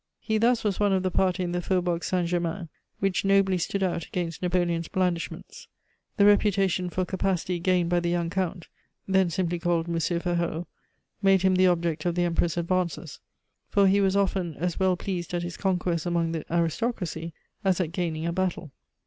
He thus was one of the party in the Faubourg Saint Germain which nobly stood out against Napoleon's blandishments. The reputation for capacity gained by the young Count then simply called Monsieur Ferraud made him the object of the Emperor's advances, for he was often as well pleased at his conquests among the aristocracy as at gaining a battle.